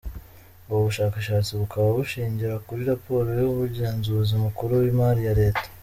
Ubu bushakashatsi bukaba bushingira kuri raporo y’umugenzuzi mukuru w’imari ya Leta.